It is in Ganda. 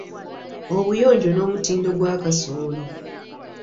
Obuyonjo n'omutindo gwa kasooli.